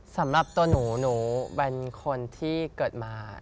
สำหรับตัวหนูหนูเป็นคนที่เกิดมา